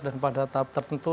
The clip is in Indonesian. dan pada tahap tertentu